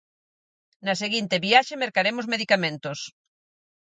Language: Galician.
Na seguinte viaxe mercaremos medicamentos.